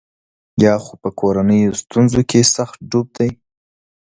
یا خو په کورنیو ستونزو کې سخت ډوب دی.